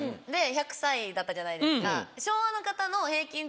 １００歳だったじゃないですか。